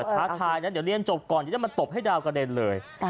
ท้าทายนะเดี๋ยวเรียนจบก่อนเดี๋ยวจะมาตบให้ดาวกระเด็นเลย